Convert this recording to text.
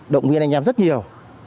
động viên anh em rất nhiều